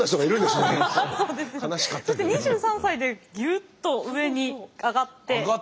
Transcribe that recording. そして２３歳でギュッと上に上がっていますよね。